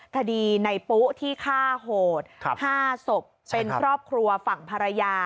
คดีในปุ๊ที่ฆ่าโหด๕ศพเป็นครอบครัวฝั่งภรรยา